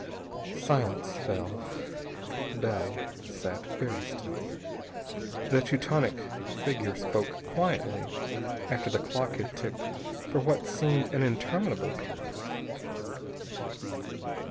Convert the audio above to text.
Silence fell. Bell sat very still. The Teutonic figure spoke quietly after the clock had ticked for what seemed an interminable period.